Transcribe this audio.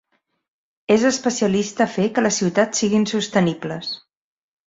És especialista a fer que les ciutats siguin sostenibles.